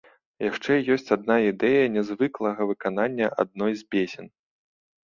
Яшчэ ёсць адна ідэя нязвыклага выканання адной з песень.